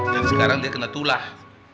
dan sekarang dia kena tulah